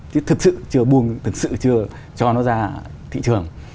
thật sự chưa buông thật sự chưa cho nó ra thị trường